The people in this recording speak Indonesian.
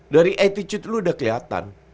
dari attitude lo udah kelihatan